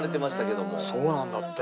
そうなんだって。